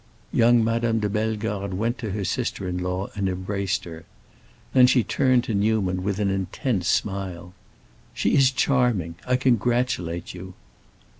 Young Madame de Bellegarde went to her sister in law and embraced her. Then she turned to Newman, with an intense smile. "She is charming. I congratulate you."